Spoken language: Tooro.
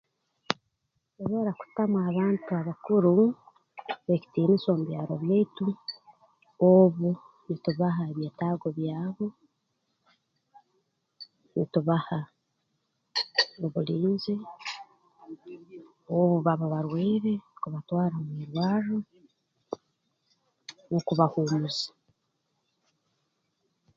Ntusobora kutamu abantu abakuru ekitiinisa omu byaro byaitu obu nitubaha ebyetaago byabo nitubaha obulinzi obu baba barwaire kubatwara mu irwarro n'okubahuumuza